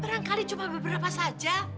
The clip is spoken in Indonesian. barangkali cuma beberapa saja